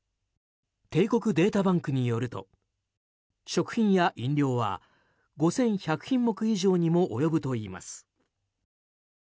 帝国データバンクによると食品や飲料は５１００品目以上にも及ぶといいます。